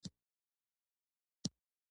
د هغې څېرې ته ځیر شوم او په ټنډه یې زخم و